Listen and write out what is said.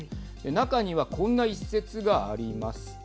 中には、こんな一節があります。